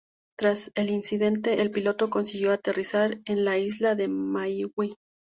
Tras el incidente, el piloto consiguió aterrizar en la isla de Maui.